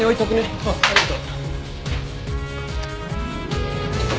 ああありがとう。